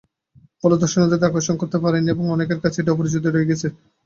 ফলে দর্শনার্থীদের আকর্ষণ করতে পারেনি এবং অনেকের কাছেই এটি অপরিচিত রয়ে গেছে।